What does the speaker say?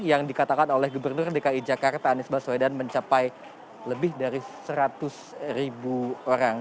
yang dikatakan oleh gubernur dki jakarta anies baswedan mencapai lebih dari seratus ribu orang